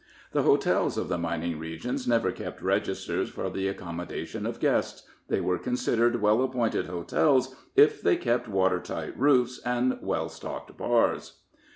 The hotels of the mining regions never kept registers for the accommodation of guests they were considered well appointed hotels if they kept water tight roofs and well stocked bars.